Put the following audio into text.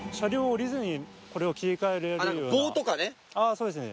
そうですね